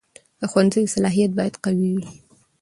د ښوونځي صلاحیت باید قوي وي.